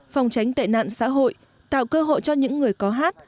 phòng tránh tệ nạn xã hội tạo cơ hội cho những người có hát